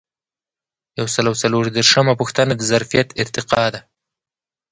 یو سل او څلور دیرشمه پوښتنه د ظرفیت ارتقا ده.